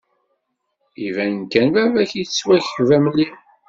Iban kan baba-k yettwakba mliḥ.